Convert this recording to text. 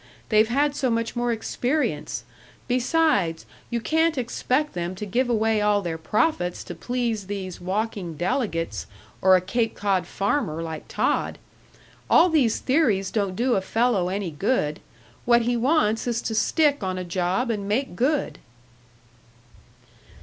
they've had so much more experience besides you can't expect them to give away all their profits to please these walking delegates or a Cape Cod farmer like Todd! All these theories don't do a fellow any good; what he wants is to stick on a job and make good."